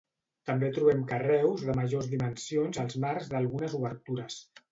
També trobem carreus de majors dimensions als marcs d'algunes obertures.